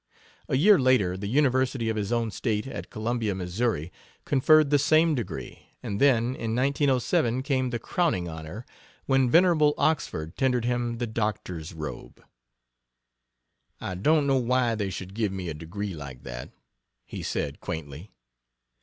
A year later the university of his own State, at Columbia, Missouri, conferred the same degree, and then, in 1907, came the crowning honor, when venerable Oxford tendered him the doctor's robe. "I don't know why they should give me a degree like that," he said, quaintly.